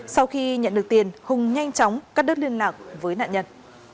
sau khi nhận được tiền hùng nhanh chóng cắt đứt liên lạc với nạn nhân